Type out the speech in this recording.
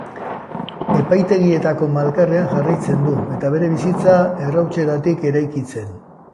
Epaitegietako malkarrean jarraitzen du eta bere bizitza errautsetatik eraikitzen.